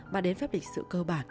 mà đến phép định sự cơ bản